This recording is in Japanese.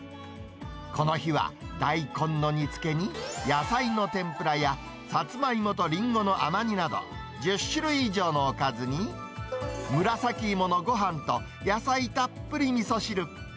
この日は大根の煮つけに、野菜の天ぷらや、さつまいもとりんごの甘煮など、１０種類以上のおかずに、むらさきいものごはんと野菜たっぷりみそ汁。